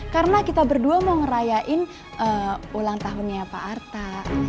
karena kita berdua mau ngerayain ulang tahunnya pak arta